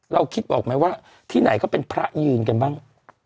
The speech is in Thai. คิดออกไหมว่าที่ไหนก็เป็นพระยืนกันบ้าง